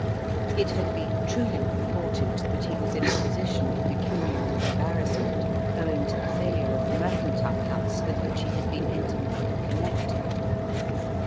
It had been truly reported that he was in a position of pecuniary embarrassment, owing to the failure of a mercantile house with which he had been intimately connected.